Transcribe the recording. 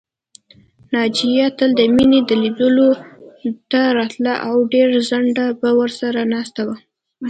ناجیه تل د مينې لیدلو ته راتله او ډېر ځنډه به ورسره ناسته وه